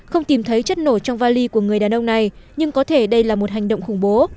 không tìm thấy chất nổ trong vali của người đàn ông này nhưng có thể đây là một hành động khủng bố